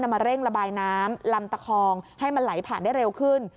มาเร่งระบายน้ำลำตะคองให้มันไหลผ่านได้เร็วขึ้น